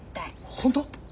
ホント？